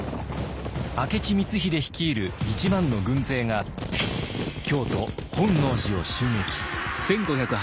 明智光秀率いる１万の軍勢が京都・本能寺を襲撃。